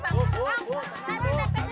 udah gua juga lucu sekali